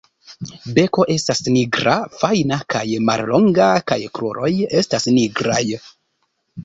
Beko estas nigra, fajna kaj mallonga kaj kruroj estas nigraj.